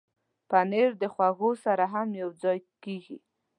پنېر د خواږو سره هم یوځای کېږي.